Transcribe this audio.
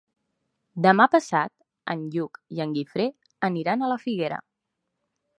Demà passat en Lluc i en Guifré aniran a la Figuera.